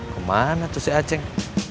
ke mana tuh si aceh